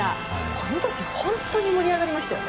この時本当に盛り上がりましたよね。